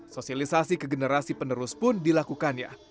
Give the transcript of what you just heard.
sosialisasi ke generasi penerus pun dilakukannya